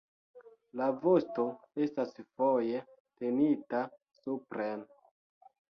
La vosto estas foje tenita supren.